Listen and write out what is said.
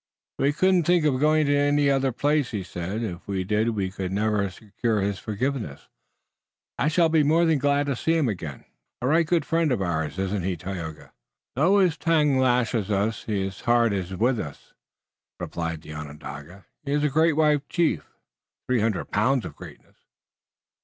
"We couldn't think of going to any other place," he said. "If we did we could never secure his forgiveness." "I shall be more than glad to see him. A right good friend of ours, isn't he, Tayoga?" "Though his tongue lashes us his heart is with us," replied the Onondaga. "He is a great white chief, three hundred pounds of greatness."